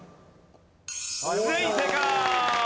全員正解！